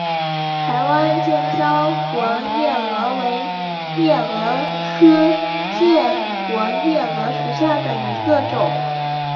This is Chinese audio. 台湾桑剑纹夜蛾为夜蛾科剑纹夜蛾属下的一个种。